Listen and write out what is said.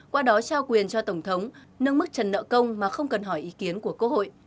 qua đó trao quyền cho tổng thống nâng mức trần nợ công mà không cần hỏi ý kiến của quốc hội